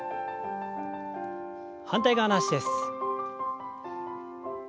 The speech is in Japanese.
反対側の脚です。